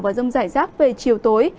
và rông rải rác về chiều tối